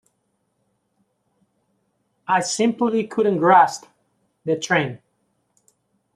I simply couldn't grasp the trend.